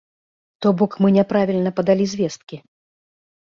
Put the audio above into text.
То бок мы няправільна падалі звесткі.